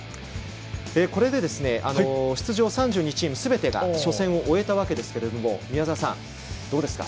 これで出場３２チームがすべてが初戦を終えたわけですが宮澤さん、どうですか？